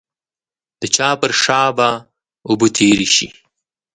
د چا پر شا به اوبه تېرې شي.